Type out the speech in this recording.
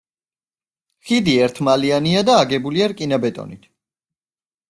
ხიდი ერთმალიანია და აგებულია რკინა-ბეტონით.